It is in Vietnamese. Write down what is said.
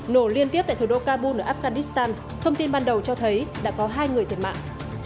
nổ liên tiếp tại thủ đô kabul ở afghanistan thông tin ban đầu cho thấy đã có hai người thiệt mạng